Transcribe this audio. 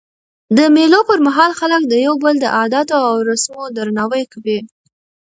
د مېلو پر مهال خلک د یو بل د عادتو او رسمو درناوی کوي.